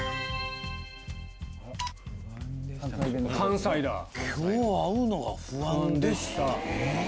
「今日会うのが不安でした」。